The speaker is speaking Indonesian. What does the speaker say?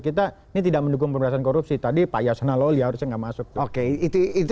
kita ini tidak mendukung pemberdayaan korupsi tadi pak yosna loli harusnya masuk oke itu itu